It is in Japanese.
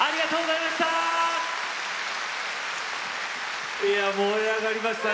いや、燃え上がりましたね。